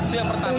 itu yang pertama